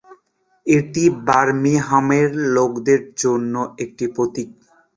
এটি বার্মিংহামের লোকদের জন্যও একটি প্রতীক।